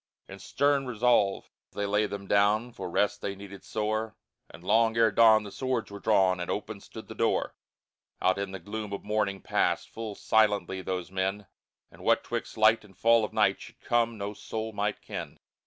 In stern resolve they lay them down, For rest they needed sore, But long ere dawn the swords were drawn And open stood the door. Out to the gloom of morning passed Full silently those men, And what 'twixt light and fall of night Should come, no soul might ken.